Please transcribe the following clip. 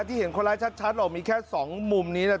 เห็นคนร้ายชัดออกมีแค่๒มุมนี้นะ